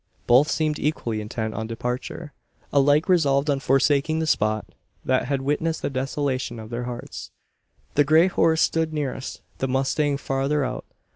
Both seemed equally intent on departure alike resolved on forsaking the spot, that had witnessed the desolation of their hearts. The grey horse stood nearest the mustang farther out.